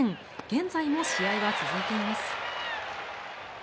現在も試合は続いています。